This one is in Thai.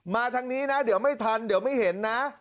ทางนี้นะเดี๋ยวไม่ทันเดี๋ยวไม่เห็นนะ